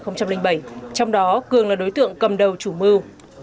trong đó cường là đối tượng cầm đầu chủ mưu